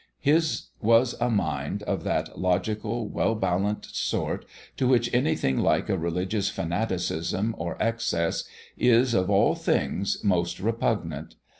His was a mind of that logical, well balanced sort to which anything like religious fanaticism or excess is, of all things, most repugnant.